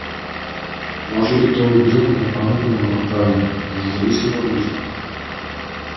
Можеби тоа би било најпаметно да го направиме, да не зависиме од нив.